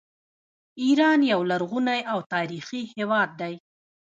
ایران یو لرغونی او تاریخي هیواد دی.